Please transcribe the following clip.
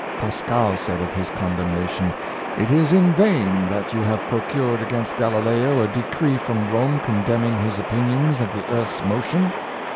Pascal said of his condemnation: " It is in vain that 448 Martyrs for Science. you have procured against Galileo a decree from Rome condemning his opinions of the earth's motion.